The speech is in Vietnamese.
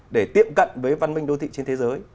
để tiệm cận với văn minh đô thị trên thế giới